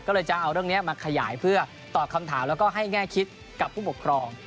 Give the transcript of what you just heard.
ก็เลยจะเอาเรื่องนี้มาขยายเพื่อตอบคำถามแล้วก็ให้แง่คิดกับผู้ปกครอง